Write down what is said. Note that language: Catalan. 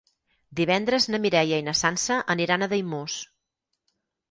Divendres na Mireia i na Sança aniran a Daimús.